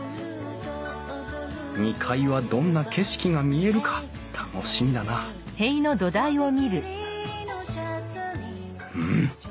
２階はどんな景色が見えるか楽しみだなうん？